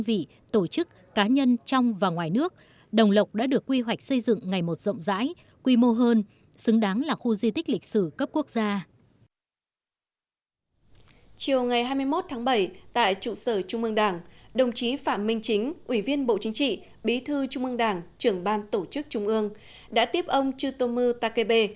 bí thư trung ương đảng trưởng ban tổ chức trung ương đã tiếp ông chutomu takebe